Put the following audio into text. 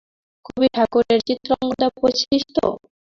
রবি ঠাকুরের চিত্রাঙ্গদা পড়েছিস তো?